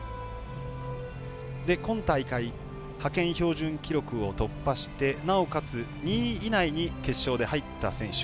今大会、派遣標準記録を突破してなおかつ２位以内に決勝で入った選手。